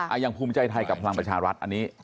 อย่างภูมิใจไทยกับพลังประชารัฐอันนี้